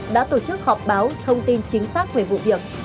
đã tổ chức họp báo thông tin chính xác về vụ việc